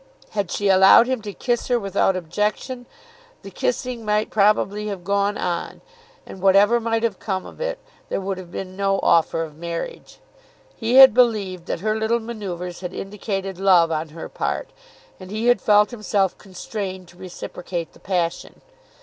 Had she allowed him to kiss her without objection, the kissing might probably have gone on; and, whatever might have come of it, there would have been no offer of marriage. He had believed that her little manoeuvres had indicated love on her part, and he had felt himself constrained to reciprocate the passion.